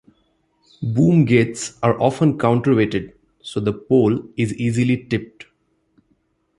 Boom gates are often counterweighted, so the pole is easily tipped.